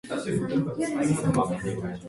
今から京都に向かいますが、車が壊れていて動かん